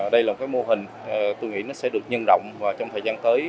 đây là một cái mô hình tôi nghĩ nó sẽ được nhân động và trong thời gian tới